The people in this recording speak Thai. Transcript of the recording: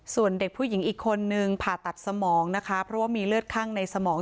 ส่วนเด็กผู้หญิงอีกคนนึงผ่าตัดสมองนะคะเพราะว่ามีเลือดข้างในสมอง